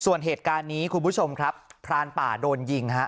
ส่วนเหตุการณ์นี้คุณผู้ชมครับพรานป่าโดนยิงฮะ